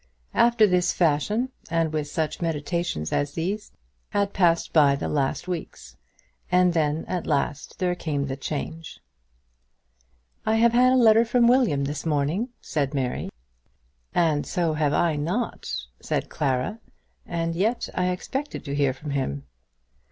After this fashion, and with such meditations as these, had passed by the last weeks; and then at last there came the change. "I have had a letter from William this morning," said Mary. "And so have not I," said Clara, "and yet I expect to hear from him."